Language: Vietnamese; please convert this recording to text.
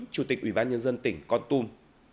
chủ tịch ủy ban nhân dân tỉnh con tum